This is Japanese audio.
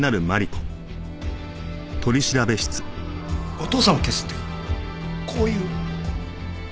お父さんを消すってこういう？